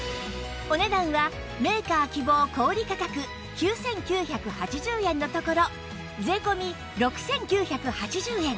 お値段はメーカー希望小売価格９９８０円のところ税込６９８０円